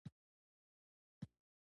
دوی شتمنۍ او منابع لوټوي او خپلې ګټې ګوري